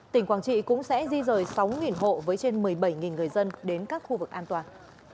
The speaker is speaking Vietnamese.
tỉnh quảng trị cũng sẽ di rời sáu hộ với trên một mươi bảy người dân đến các khu vực an toàn